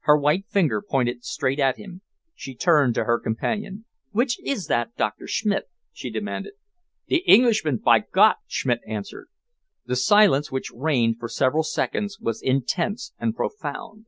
Her white finger pointed straight at him. She turned to her companion. "Which is that, Doctor Schmidt?" she demanded. "The Englishman, by God!" Schmidt answered. The silence which reigned for several seconds was intense and profound.